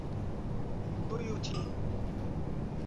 Tuiuti